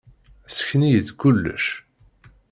Ssken-iyi-d kullec.